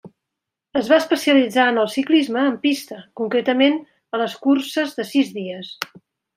Es va especialitzar en el ciclisme en pista concretament a les curses de sis dies.